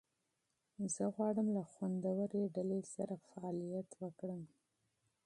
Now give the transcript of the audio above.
زه غواړم له خوندورې ډلې سره فعالیت وکړم.